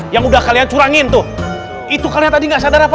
yang udah kalian curangin tuh itu kalian tadi nggak sadar apa